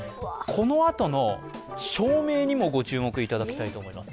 このあとの照明にもご注目いただきたいと思います。